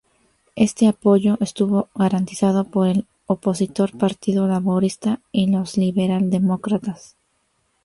Este apoyo estuvo garantizado por el opositor Partido Laborista y los Liberal Demócratas.